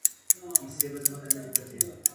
پیسې په ځمکه نه دي پرتې.